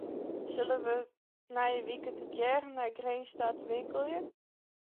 Sille wy nije wike tegearre nei Grins ta te winkeljen?